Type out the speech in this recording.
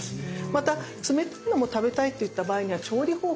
また冷たいのも食べたいといった場合には調理法を工夫すると。